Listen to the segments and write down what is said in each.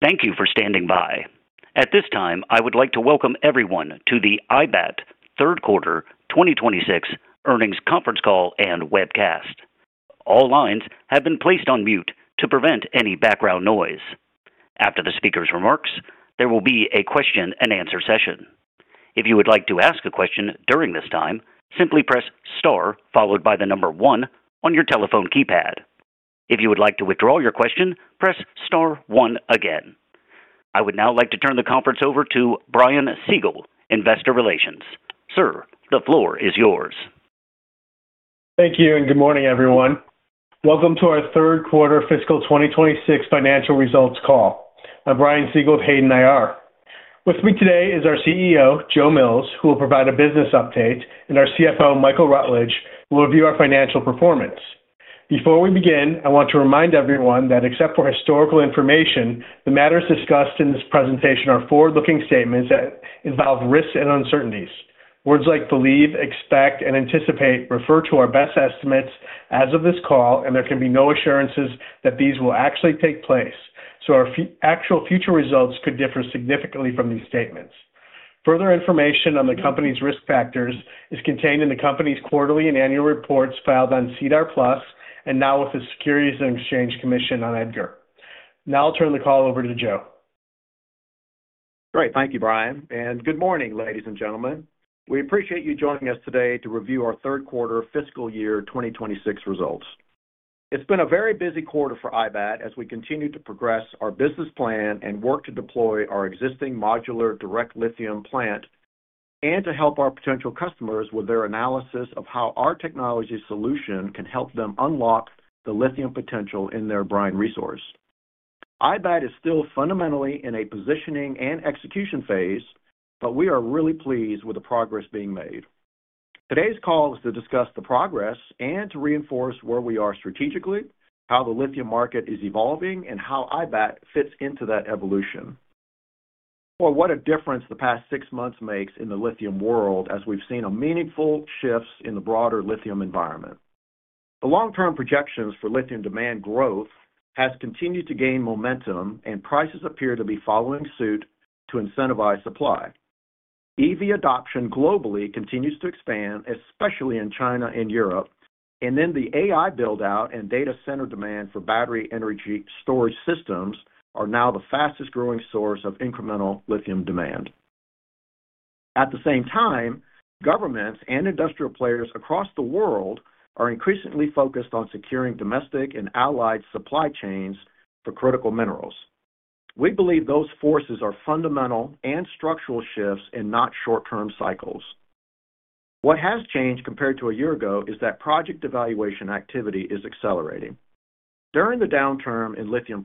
Thank you for standing by. At this time, I would like to welcome everyone to the IBAT Third Quarter 2026 Earnings Conference Call and Webcast. All lines have been placed on mute to prevent any background noise. After the speaker's remarks, there will be a question-and-answer session. If you would like to ask a question during this time, simply press Star followed by the 1 on your telephone keypad. If you would like to withdraw your question, press Star one again. I would now like to turn the conference over to Brian Siegel, Investor Relations. Sir, the floor is yours. Thank you. Good morning, everyone. Welcome to our third quarter fiscal 2026 financial results call. I'm Brian Siegel of Hayden IR. With me today is our CEO, Joe Mills, who will provide a business update, and our CFO, Michael Rutledge, will review our financial performance. Before we begin, I want to remind everyone that except for historical information, the matters discussed in this presentation are forward-looking statements that involve risks and uncertainties. Words like believe, expect, and anticipate refer to our best estimates as of this call. There can be no assurances that these will actually take place. Our actual future results could differ significantly from these statements. Further information on the company's risk factors is contained in the company's quarterly and annual reports filed on SEDAR+ and now with the Securities and Exchange Commission on EDGAR. Now I'll turn the call over to Joe. Great. Thank you, Brian. Good morning, ladies and gentlemen. We appreciate you joining us today to review our third quarter fiscal year 2026 results. It's been a very busy quarter for IBAT as we continue to progress our business plan and work to deploy our existing modular direct lithium plant and to help our potential customers with their analysis of how our technology solution can help them unlock the lithium potential in their brine resource. IBAT is still fundamentally in a positioning and execution phase. We are really pleased with the progress being made. Today's call is to discuss the progress and to reinforce where we are strategically, how the lithium market is evolving, and how IBAT fits into that evolution. Well, what a difference the past six months makes in the lithium world, as we've seen a meaningful shifts in the broader lithium environment. The long-term projections for lithium demand growth has continued to gain momentum, prices appear to be following suit to incentivize supply. EV adoption globally continues to expand, especially in China and Europe, the AI build-out and data center demand for battery energy storage systems are now the fastest growing source of incremental lithium demand. At the same time, governments and industrial players across the world are increasingly focused on securing domestic and allied supply chains for critical minerals. We believe those forces are fundamental and structural shifts and not short-term cycles. What has changed compared to a year ago is that project evaluation activity is accelerating. During the downturn in lithium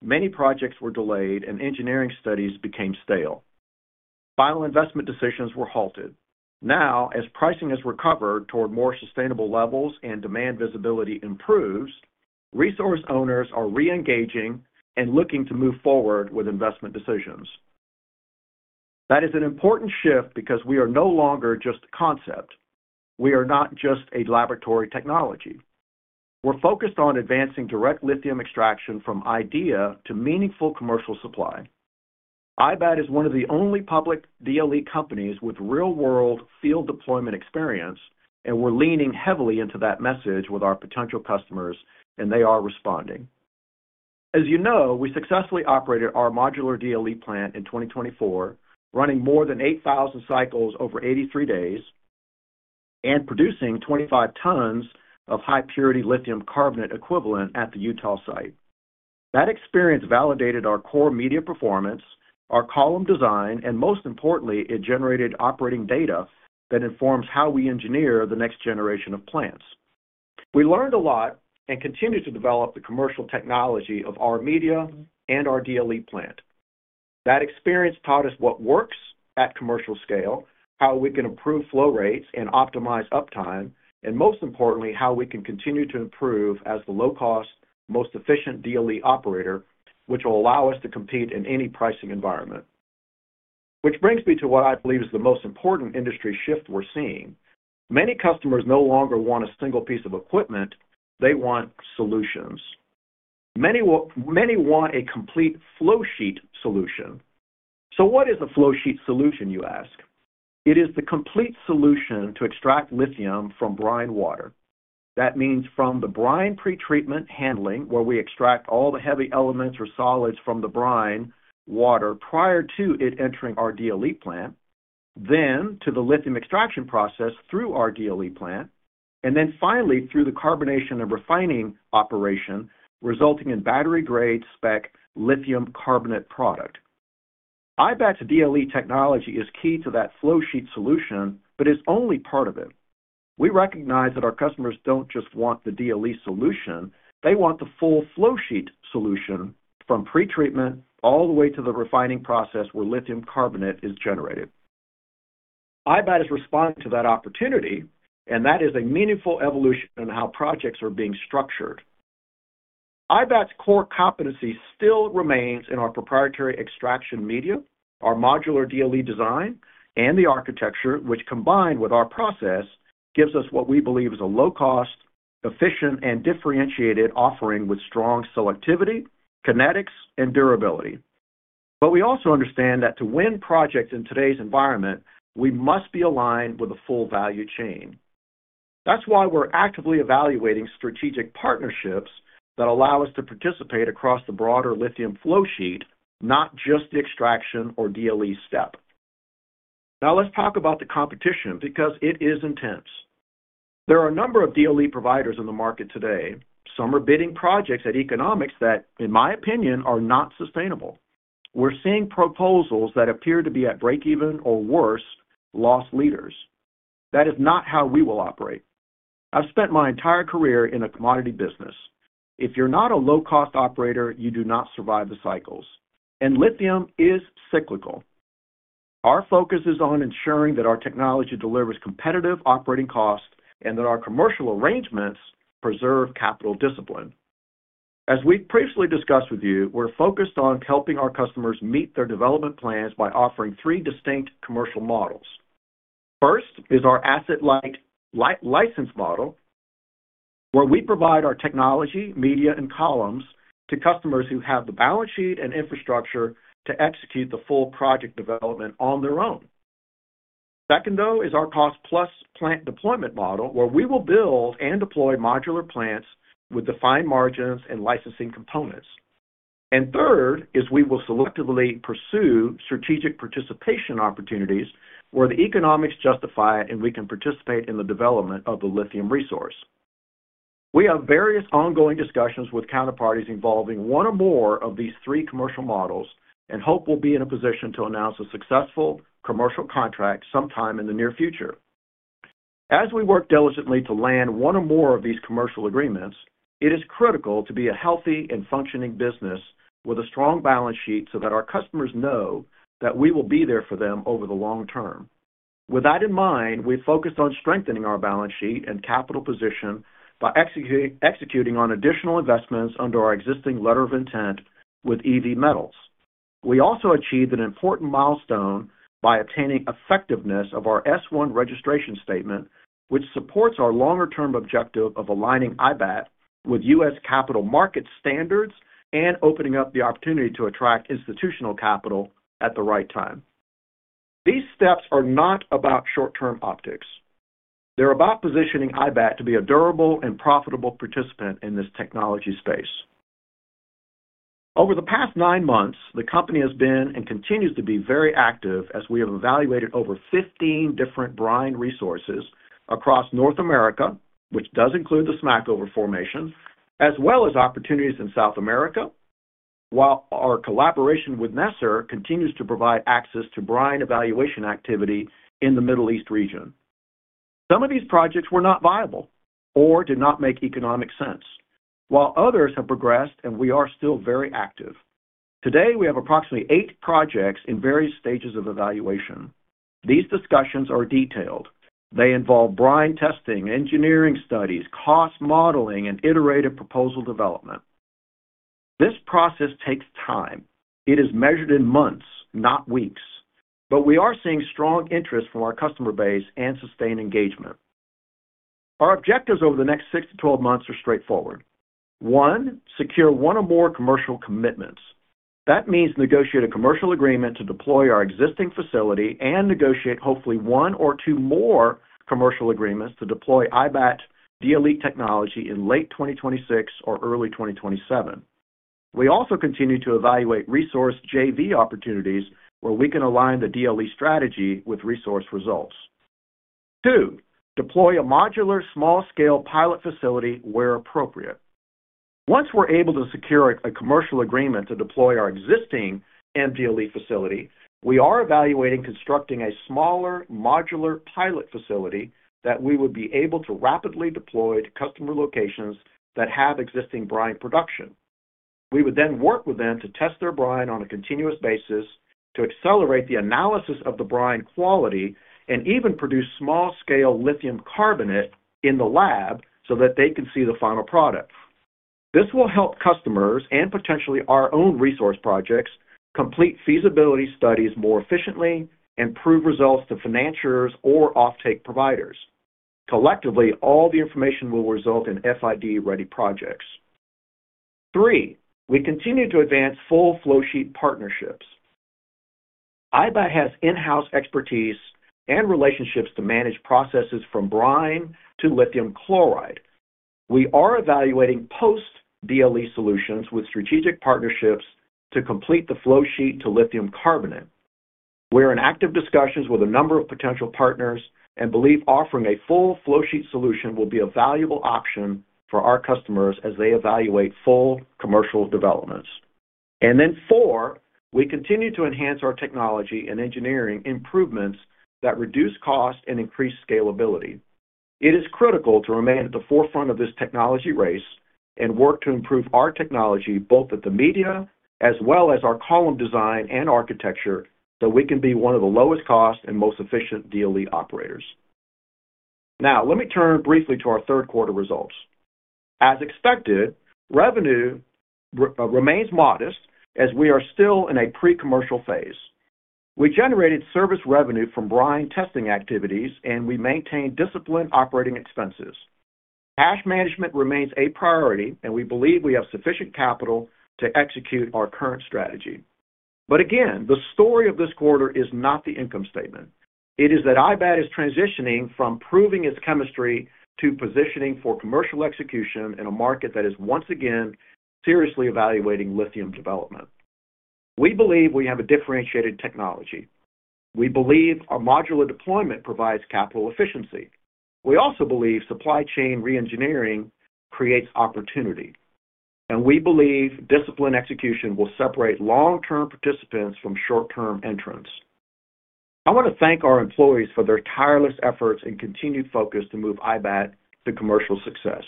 pricing, many projects were delayed, engineering studies became stale. final investment decisions were halted. As pricing has recovered toward more sustainable levels and demand visibility improves, resource owners are reengaging and looking to move forward with investment decisions. That is an important shift because we are no longer just a concept. We are not just a laboratory technology. We're focused on advancing direct lithium extraction from idea to meaningful commercial supply. IBAT is one of the only public DLE companies with real-world field deployment experience, and we're leaning heavily into that message with our potential customers, and they are responding. As you know, we successfully operated our modular DLE plant in 2024, running more than 8,000 cycles over 83 days and producing 25 tons of high-purity lithium carbonate equivalent at the Utah site. That experience validated our core media performance, our column design, and most importantly, it generated operating data that informs how we engineer the next generation of plants. We learned a lot and continue to develop the commercial technology of our media and our DLE plant. That experience taught us what works at commercial scale, how we can improve flow rates and optimize uptime, and most importantly, how we can continue to improve as the low-cost, most efficient DLE operator, which will allow us to compete in any pricing environment. Which brings me to what I believe is the most important industry shift we're seeing. Many customers no longer want a single piece of equipment. They want solutions. Many want a complete flow sheet solution. What is a flow sheet solution, you ask? It is the complete solution to extract lithium from brine water. That means from the brine pretreatment handling, where we extract all the heavy elements or solids from the brine water prior to it entering our DLE plant, then to the lithium extraction process through our DLE plant, and then finally through the carbonation and refining operation, resulting in battery-grade spec lithium carbonate product. IBAT's DLE technology is key to that flow sheet solution but is only part of it. We recognize that our customers don't just want the DLE solution; they want the full flow sheet solution from pretreatment all the way to the refining process where lithium carbonate is generated. IBAT is responding to that opportunity, and that is a meaningful evolution in how projects are being structured. IBAT's core competency still remains in our proprietary extraction media, our modular DLE design, and the architecture, which, combined with our process, gives us what we believe is a low cost...... efficient and differentiated offering with strong selectivity, kinetics, and durability. We also understand that to win projects in today's environment, we must be aligned with the full value chain. That's why we're actively evaluating strategic partnerships that allow us to participate across the broader lithium flow sheet, not just the extraction or DLE step. Now, let's talk about the competition, because it is intense. There are a number of DLE providers in the market today. Some are bidding projects at economics that, in my opinion, are not sustainable. We're seeing proposals that appear to be at breakeven or worse, loss leaders. That is not how we will operate. I've spent my entire career in a commodity business. If you're not a low-cost operator, you do not survive the cycles, and lithium is cyclical. Our focus is on ensuring that our technology delivers competitive operating costs and that our commercial arrangements preserve capital discipline. As we've previously discussed with you, we're focused on helping our customers meet their development plans by offering three distinct commercial models. First is our asset-light license model, where we provide our technology, media, and columns to customers who have the balance sheet and infrastructure to execute the full project development on their own. Second, though, is our cost plus plant deployment model, where we will build and deploy modular plants with defined margins and licensing components. Third is we will selectively pursue strategic participation opportunities where the economics justify it, and we can participate in the development of the lithium resource. We have various ongoing discussions with counterparties involving one or more of these three commercial models and hope we'll be in a position to announce a successful commercial contract sometime in the near future. As we work diligently to land one or more of these commercial agreements, it is critical to be a healthy and functioning business with a strong balance sheet, so that our customers know that we will be there for them over the long term. With that in mind, we focused on strengthening our balance sheet and capital position by executing on additional investments under our existing letter of intent with EV Metals. We also achieved an important milestone by obtaining effectiveness of our S-1 registration statement, which supports our longer-term objective of aligning IBAT with U.S. capital market standards and opening up the opportunity to attract institutional capital at the right time. These steps are not about short-term optics. They're about positioning IBAT to be a durable and profitable participant in this technology space. Over the past 9 months, the company has been and continues to be very active as we have evaluated over 15 different brine resources across North America, which does include the Smackover Formation, as well as opportunities in South America, while our collaboration with NESR continues to provide access to brine evaluation activity in the Middle East region. Some of these projects were not viable or did not make economic sense, while others have progressed, and we are still very active. Today, we have approximately 8 projects in various stages of evaluation. These discussions are detailed. They involve brine testing, engineering studies, cost modeling, and iterative proposal development. This process takes time. It is measured in months, not weeks. We are seeing strong interest from our customer base and sustained engagement. Our objectives over the next 6-12 months are straightforward. One, secure one or more commercial commitments. That means negotiate a commercial agreement to deploy our existing facility and negotiate hopefully one or two more commercial agreements to deploy IBAT DLE technology in late 2026 or early 2027. We also continue to evaluate resource JV opportunities where we can align the DLE strategy with resource results. Two, deploy a modular, small-scale pilot facility where appropriate. Once we're able to secure a commercial agreement to deploy our existing MDLE facility, we are evaluating constructing a smaller modular pilot facility that we would be able to rapidly deploy to customer locations that have existing brine production. We would work with them to test their brine on a continuous basis, to accelerate the analysis of the brine quality, and even produce small-scale lithium carbonate in the lab so that they can see the final product. This will help customers and potentially our own resource projects complete feasibility studies more efficiently and prove results to financiers or offtake providers. Collectively, all the information will result in FID-ready projects. Three, we continue to advance full flow sheet partnerships. IBAT has in-house expertise and relationships to manage processes from brine to lithium chloride. We are evaluating post-DLE solutions with strategic partnerships to complete the flow sheet to lithium carbonate. We're in active discussions with a number of potential partners believe offering a full flow sheet solution will be a valuable option for our customers as they evaluate full commercial developments. 4, we continue to enhance our technology and engineering improvements that reduce cost and increase scalability. It is critical to remain at the forefront of this technology race and work to improve our technology, both at the media as well as our column design and architecture, so we can be one of the lowest cost and most efficient DLE operators. Let me turn briefly to our third quarter results. As expected, revenue remains modest as we are still in a pre-commercial phase. We generated service revenue from brine testing activities, and we maintained disciplined operating expenses. Cash management remains a priority, and we believe we have sufficient capital to execute our current strategy. Again, the story of this quarter is not the income statement. It is that IBAT is transitioning from proving its chemistry to positioning for commercial execution in a market that is once again seriously evaluating lithium development. We believe we have a differentiated technology. We believe our modular deployment provides capital efficiency. We also believe supply chain reengineering creates opportunity. We believe disciplined execution will separate long-term participants from short-term entrants. I want to thank our employees for their tireless efforts and continued focus to move IBAT to commercial success.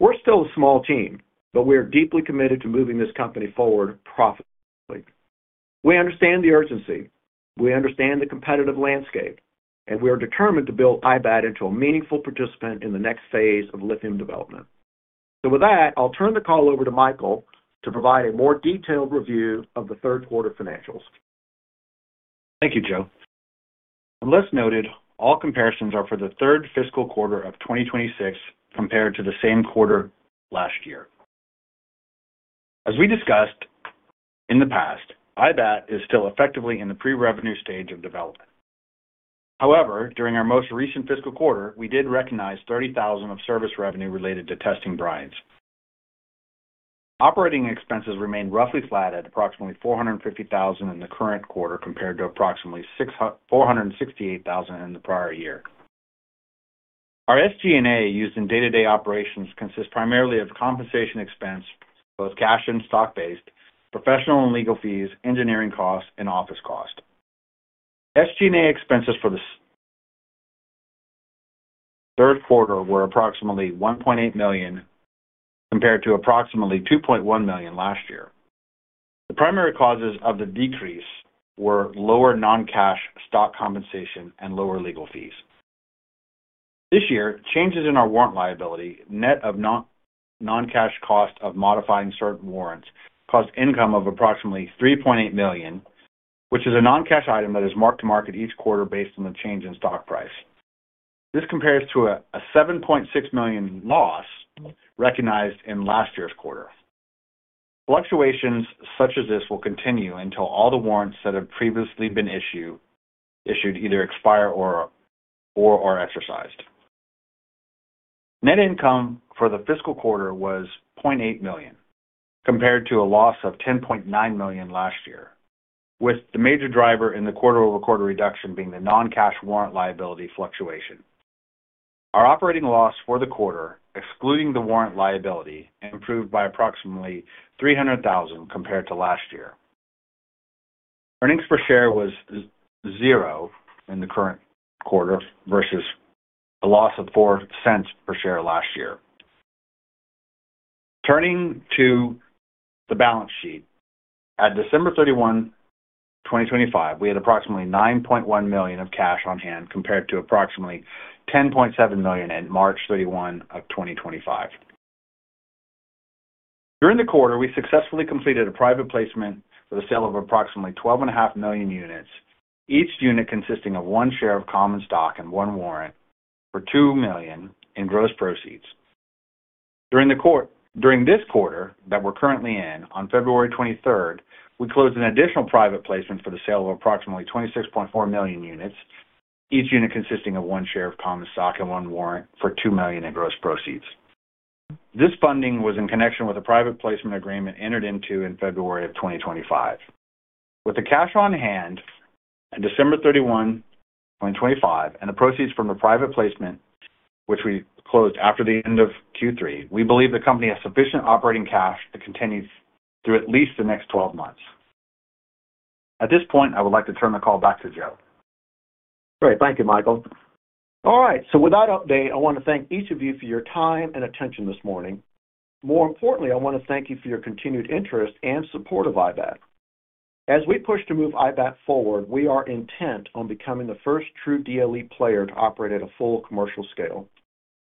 We're still a small team. We are deeply committed to moving this company forward profitably. We understand the urgency, we understand the competitive landscape. We are determined to build IBAT into a meaningful participant in the next phase of lithium development. With that, I'll turn the call over to Michael to provide a more detailed review of the third quarter financials. Thank you, Joe. Unless noted, all comparisons are for the third fiscal quarter of 2026 compared to the same quarter last year. As we discussed in the past, IBAT is still effectively in the pre-revenue stage of development. During our most recent fiscal quarter, we did recognize $30,000 of service revenue related to testing brines. Operating expenses remained roughly flat at approximately $450,000 in the current quarter, compared to approximately $468,000 in the prior year. Our SG&A used in day-to-day operations consists primarily of compensation expense, both cash and stock-based, professional and legal fees, engineering costs, and office costs. SG&A expenses for this third quarter were approximately $1.8 million, compared to approximately $2.1 million last year. The primary causes of the decrease were lower non-cash stock compensation and lower legal fees. This year, changes in our warrant liability, net of non-cash cost of modifying certain warrants, caused income of approximately $3.8 million, which is a non-cash item that is mark to market each quarter based on the change in stock price. This compares to a $7.6 million loss recognized in last year's quarter. Fluctuations such as this will continue until all the warrants that have previously been issued either expire or are exercised. Net income for the fiscal quarter was $0.8 million, compared to a loss of $10.9 million last year, with the major driver in the quarter-over-quarter reduction being the non-cash warrant liability fluctuation. Our operating loss for the quarter, excluding the warrant liability, improved by approximately $300,000 compared to last year. Earnings per share was 0 in the current quarter versus a loss of $0.04 per share last year. Turning to the balance sheet, at December 31, 2025, we had approximately $9.1 million of cash on hand, compared to approximately $10.7 million at March 31, 2025. During the quarter, we successfully completed a private placement for the sale of approximately 12.5 million units, each unit consisting of 1 share of common stock and 1 warrant for $2 million in gross proceeds. During this quarter, that we're currently in, on February 23, we closed an additional private placement for the sale of approximately 26.4 million units, each unit consisting of 1 share of common stock and 1 warrant for $2 million in gross proceeds. This funding was in connection with a private placement agreement entered into in February 2025. With the cash on hand on December 31, 2025, and the proceeds from the private placement, which we closed after the end of Q3, we believe the company has sufficient operating cash to continue through at least the next 12 months. At this point, I would like to turn the call back to Joe. Great. Thank you, Michael. All right, with that update, I want to thank each of you for your time and attention this morning. More importantly, I want to thank you for your continued interest and support of IBAT. As we push to move IBAT forward, we are intent on becoming the first true DLE player to operate at a full commercial scale.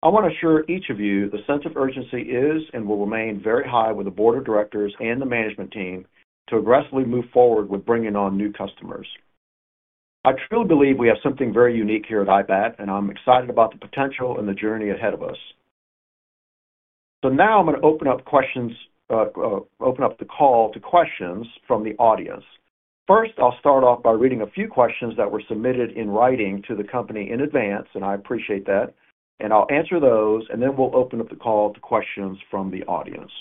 I want to assure each of you the sense of urgency is and will remain very high with the board of directors and the management team to aggressively move forward with bringing on new customers. I truly believe we have something very unique here at IBAT, and I'm excited about the potential and the journey ahead of us. Now I'm going to open up questions, open up the call to questions from the audience. I'll start off by reading a few questions that were submitted in writing to the company in advance, and I appreciate that, and I'll answer those, and then we'll open up the call to questions from the audience.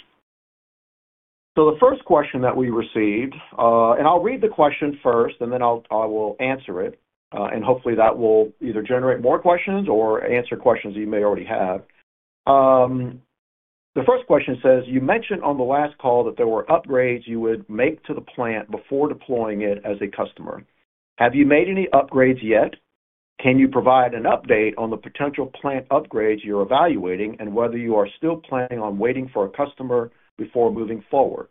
The first question that we received. I'll read the question first, and then I will answer it, and hopefully that will either generate more questions or answer questions you may already have. The first question says: You mentioned on the last call that there were upgrades you would make to the plant before deploying it as a customer. Have you made any upgrades yet? Can you provide an update on the potential plant upgrades you're evaluating and whether you are still planning on waiting for a customer before moving forward?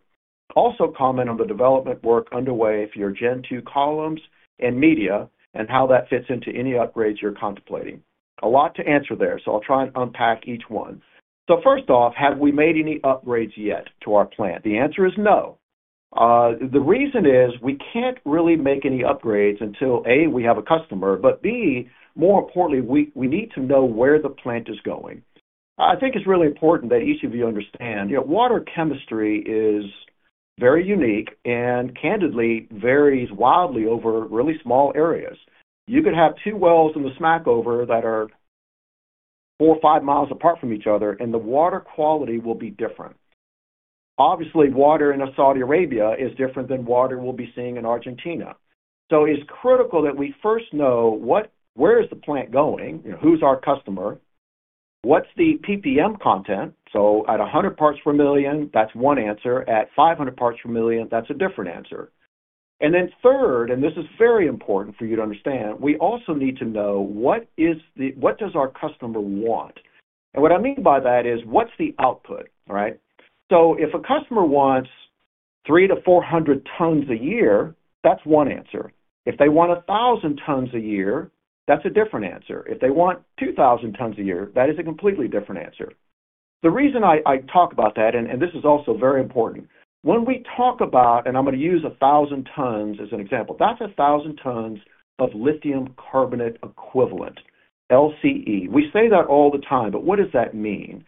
Also, comment on the development work underway for your Gen two columns and media and how that fits into any upgrades you're contemplating. A lot to answer there. I'll try and unpack each one. First off, have we made any upgrades yet to our plant? The answer is no. The reason is we can't really make any upgrades until, A, we have a customer, but B, more importantly, we need to know where the plant is going. I think it's really important that each of you understand, you know, water chemistry is very unique and candidly varies wildly over really small areas. You could have two wells in the smackover that are four or five miles apart from each other, and the water quality will be different. Obviously, water in Saudi Arabia is different than water we'll be seeing in Argentina. It's critical that we first know where is the plant going? You know, who's our customer? What's the PPM content? At 100 parts per million, that's one answer. At 500 parts per million, that's a different answer. Then third, and this is very important for you to understand, we also need to know what does our customer want? What I mean by that is, what's the output, right? If a customer wants 300-400 tons a year, that's one answer. If they want 1,000 tons a year, that's a different answer. If they want 2,000 tons a year, that is a completely different answer. The reason I talk about that, and this is also very important, when we talk about, and I'm going to use 1,000 tons as an example, that's 1,000 tons of lithium carbonate equivalent, LCE. We say that all the time. What does that mean?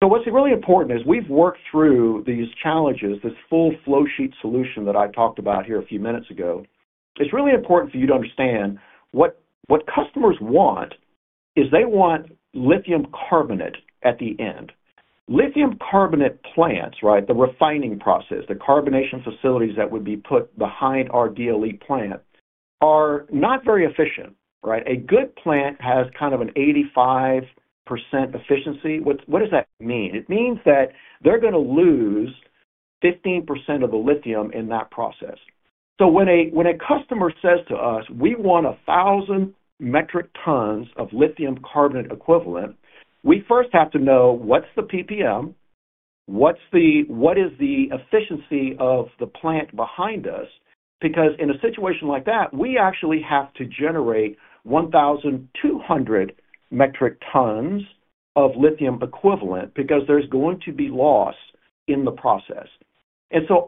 What's really important is we've worked through these challenges, this full flow sheet solution that I talked about here a few minutes ago. It's really important for you to understand what customers want is they want lithium carbonate at the end. Lithium carbonate plants, right, the refining process, the carbonation facilities that would be put behind our DLE plant, are not very efficient, right? A good plant has kind of an 85% efficiency. What does that mean? It means that they're gonna lose 15% of the lithium in that process. When a customer says to us, "We want 1,000 metric tons of lithium carbonate equivalent," we first have to know what's the PPM, what is the efficiency of the plant behind us? Because in a situation like that, we actually have to generate 1,200 metric tons of lithium equivalent because there's going to be loss in the process.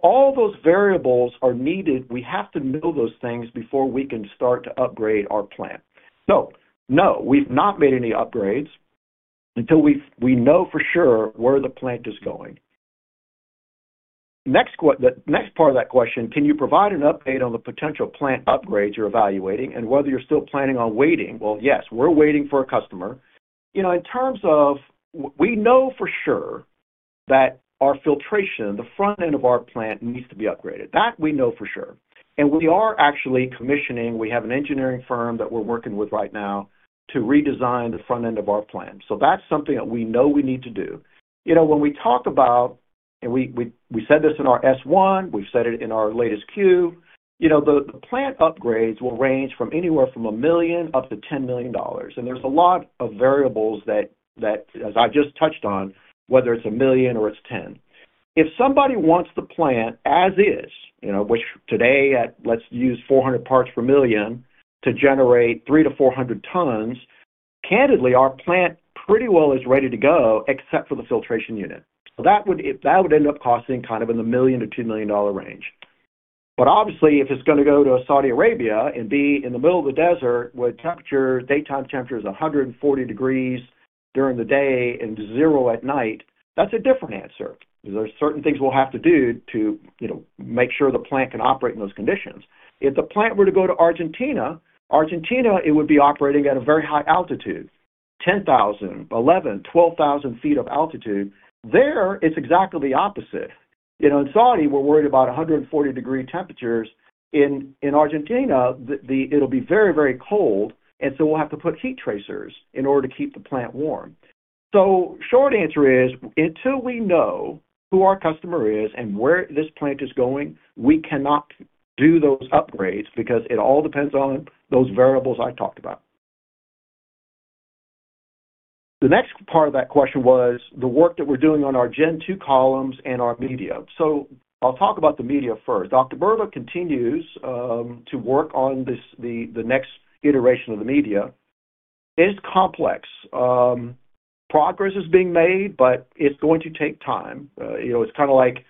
All those variables are needed. We have to know those things before we can start to upgrade our plant. No, we've not made any upgrades until we know for sure where the plant is going. Next, the next part of that question, can you provide an update on the potential plant upgrades you're evaluating and whether you're still planning on waiting? Yes, we're waiting for a customer. You know, in terms of we know for sure that our filtration, the front end of our plant, needs to be upgraded. That we know for sure, we are actually commissioning. We have an engineering firm that we're working with right now to redesign the front end of our plant. That's something that we know we need to do. You know, when we talk about, and we said this in our S-1, we've said it in our latest Q, you know, the plant upgrades will range from anywhere from $1 million up to $10 million. There's a lot of variables that, as I just touched on, whether it's $1 million or it's $10 million. If somebody wants the plant as is, you know, which today, at let's use 400 parts per million to generate 300-400 tons, candidly, our plant pretty well is ready to go except for the filtration unit. That would, that would end up costing kind of in the $1 million-$2 million range. Obviously, if it's going to go to Saudi Arabia and be in the middle of the desert, where temperature, daytime temperature is 140 degrees during the day and 0 at night, that's a different answer. There are certain things we'll have to do to, you know, make sure the plant can operate in those conditions. If the plant were to go to Argentina, it would be operating at a very high altitude, 10,000, 11,000, 12,000 feet of altitude. There, it's exactly the opposite. You know, in Saudi, we're worried about 140 degree temperatures. In Argentina, it'll be very, very cold, we'll have to put heat tracers in order to keep the plant warm. Short answer is, until we know who our customer is and where this plant is going, we cannot do those upgrades because it all depends on those variables I talked about. The next part of that question was the work that we're doing on our Gen two columns and our media. I'll talk about the media first. Dr. Burba continues to work on this, the next iteration of the media. It is complex. Progress is being made, it's going to take time. You know, it's kind of like,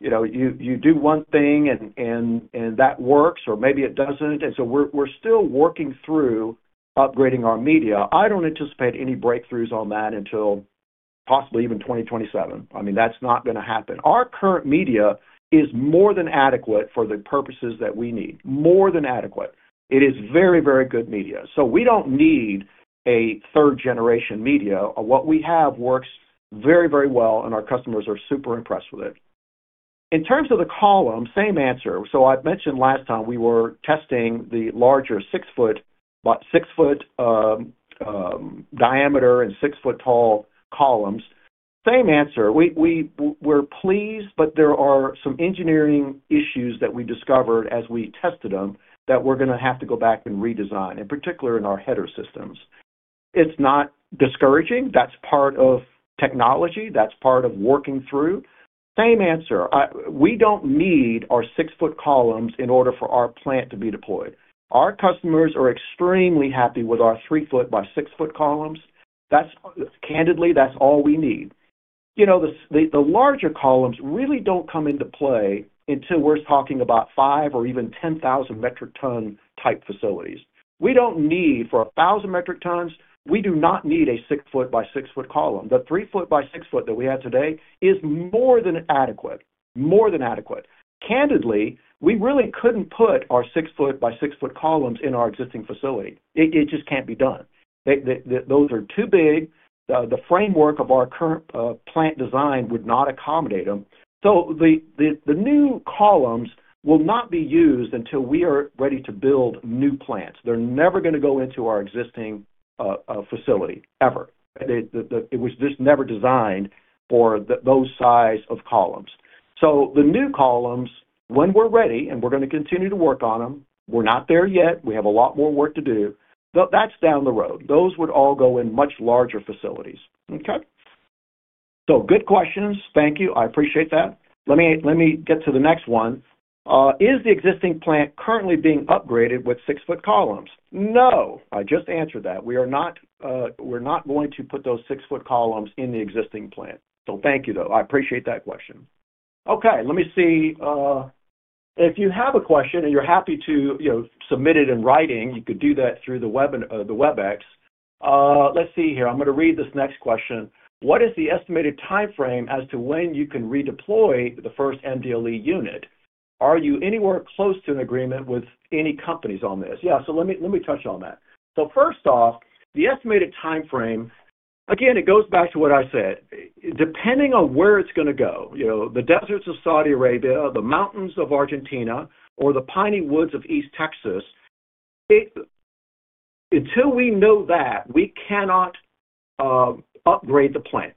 you know, you do one thing and that works, or maybe it doesn't. We're still working through upgrading our media. I don't anticipate any breakthroughs on that until possibly even 2027. I mean, that's not going to happen. Our current media is more than adequate for the purposes that we need. More than adequate. It is very, very good media, so we don't need a third-generation media. What we have works very, very well, and our customers are super impressed with it. In terms of the column, same answer. I've mentioned last time we were testing the larger 6-foot, about 6-foot diameter and 6-foot tall columns. Same answer. We're pleased, but there are some engineering issues that we discovered as we tested them that we're going to have to go back and redesign, in particular in our header systems. It's not discouraging. That's part of technology. That's part of working through. Same answer. I, we don't need our 6-foot columns in order for our plant to be deployed. Our customers are extremely happy with our 3 foot by 6 foot columns. That's, candidly, that's all we need. You know, the larger columns really don't come into play until we're talking about 5 or even 10,000 metric ton type facilities. We don't need, for 1,000 metric tons, we do not need a 6 foot by 6 foot column. The 3 foot by 6 foot that we have today is more than adequate. More than adequate. Candidly, we really couldn't put our 6 foot by 6 foot columns in our existing facility. It just can't be done. They, those are too big. The framework of our current plant design would not accommodate them. The new columns will not be used until we are ready to build new plants. They're never going to go into our existing facility, ever. It was just never designed for those size of columns. The new columns, when we're ready, and we're going to continue to work on them, we're not there yet. We have a lot more work to do, but that's down the road. Those would all go in much larger facilities. Okay? Good questions. Thank you. I appreciate that. Let me get to the next one. Is the existing plant currently being upgraded with six-foot columns? No, I just answered that. We are not, we're not going to put those six-foot columns in the existing plant. Thank you, though. I appreciate that question. Okay, let me see. If you have a question and you're happy to, you know, submit it in writing, you can do that through the Webex. Let's see here. I'm going to read this next question: What is the estimated timeframe as to when you can redeploy the first MDLE unit? Are you anywhere close to an agreement with any companies on this? Yeah, let me touch on that. First off, the estimated timeframe, again, it goes back to what I said. Depending on where it's going to go, you know, the deserts of Saudi Arabia, or the mountains of Argentina, or the piney woods of East Texas, until we know that, we cannot upgrade the plant.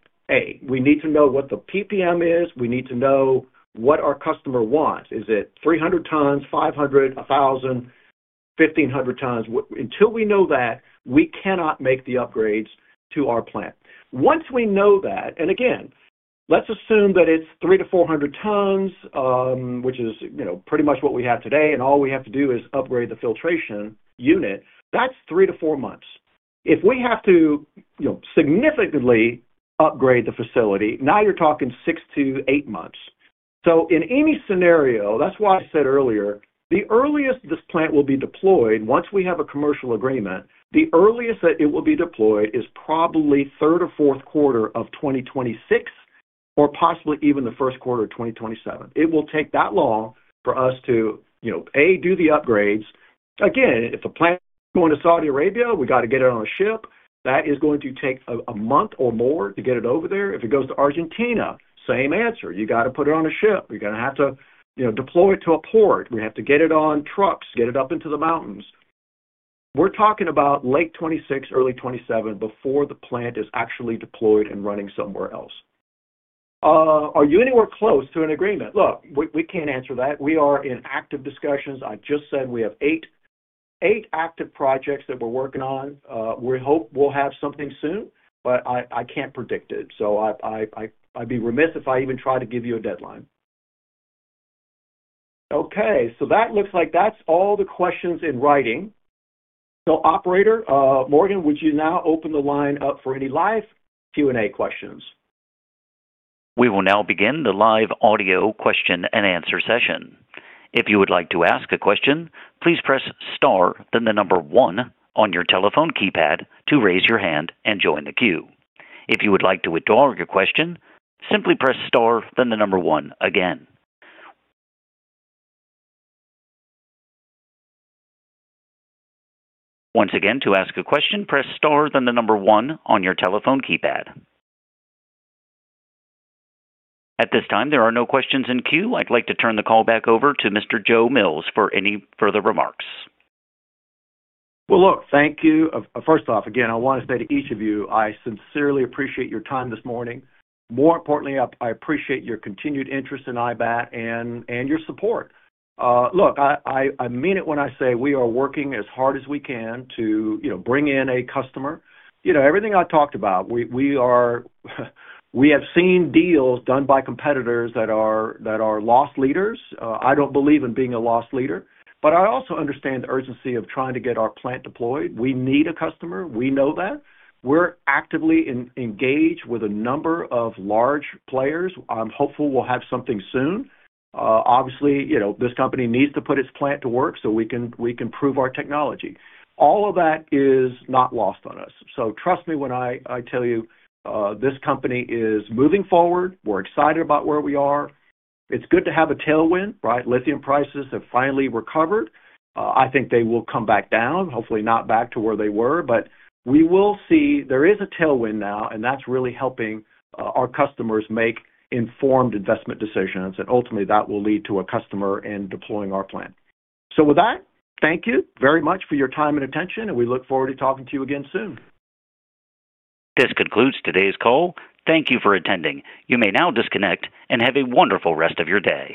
We need to know what the PPM is. We need to know what our customer wants. Is it 300 tons, 500, 1,000, 1,500 tons? Until we know that, we cannot make the upgrades to our plant. Once we know that, and again, let's assume that it's 300-400 tons, which is, you know, pretty much what we have today, and all we have to do is upgrade the filtration unit. That's 3-4 months. If we have to, you know, significantly upgrade the facility, now you're talking 6-8 months. In any scenario, that's why I said earlier, the earliest this plant will be deployed, once we have a commercial agreement, the earliest that it will be deployed is probably third or fourth quarter of 2026, or possibly even the first quarter of 2027. It will take that long for us to, you know, A, do the upgrades. Again, if a plant is going to Saudi Arabia, we got to get it on a ship. That is going to take a month or more to get it over there. If it goes to Argentina, same answer. You got to put it on a ship. You're going to have to, you know, deploy it to a port. We have to get it on trucks, get it up into the mountains. We're talking about late 2026, early 2027, before the plant is actually deployed and running somewhere else. Are you anywhere close to an agreement? Look, we can't answer that. We are in active discussions. I just said we have 8 active projects that we're working on. We hope we'll have something soon, but I can't predict it. I'd be remiss if I even try to give you a deadline. Okay, so that looks like that's all the questions in writing. Operator, Morgan, would you now open the line up for any live Q&A questions? We will now begin the live audio question and answer session. If you would like to ask a question, please press star, then the number one on your telephone keypad to raise your hand and join the queue. If you would like to withdraw your question, simply press star, then the number one again. Once again, to ask a question, press star, then the number one on your telephone keypad. At this time, there are no questions in queue. I'd like to turn the call back over to Mr. Joe Mills for any further remarks. Well, look, thank you. First off, again, I want to say to each of you, I sincerely appreciate your time this morning. More importantly, I appreciate your continued interest in IBAT and your support. Look, I mean it when I say we are working as hard as we can to, you know, bring in a customer. You know, everything I talked about, we have seen deals done by competitors that are loss leaders. I don't believe in being a loss leader, I also understand the urgency of trying to get our plant deployed. We need a customer. We know that. We're actively engaged with a number of large players. I'm hopeful we'll have something soon. Obviously, you know, this company needs to put its plant to work so we can prove our technology. All of that is not lost on us. Trust me when I tell you, this company is moving forward. We're excited about where we are. It's good to have a tailwind, right? Lithium prices have finally recovered. I think they will come back down, hopefully not back to where they were, but we will see there is a tailwind now, and that's really helping our customers make informed investment decisions, and ultimately that will lead to a customer in deploying our plant. With that, thank you very much for your time and attention, and we look forward to talking to you again soon. This concludes today's call. Thank you for attending. You may now disconnect and have a wonderful rest of your day.